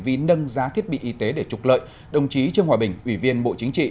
vi nâng giá thiết bị y tế để trục lợi đồng chí trương hòa bình ủy viên bộ chính trị